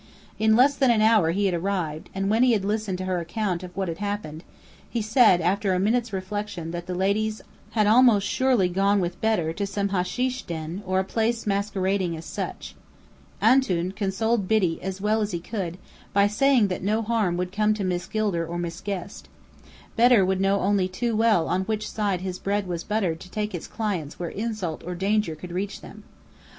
In less than an hour he arrived, and when he had listened to her account of what had happened, he said after a minute's reflection that the ladies had almost surely gone with Bedr to some hasheesh den, or a place masquerading as such. "Antoun" consoled Biddy as well as he could, by saying that no harm would come to Miss Gilder or Miss Guest. Bedr would know too well on which side his bread was buttered to take his clients where insult or danger could reach them.